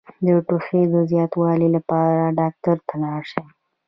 د ټوخي د زیاتوالي لپاره ډاکټر ته لاړ شئ